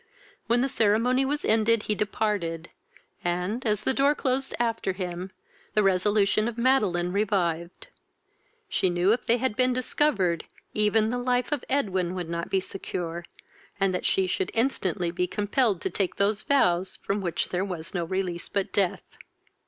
When the ceremony was ended he departed, and, as the door closed after him, the resolution of Madeline revived. She knew if they had been discovered, even the life of Edwin would not be secure, and that she should instantly be compelled to take those vows from which there was no release but death.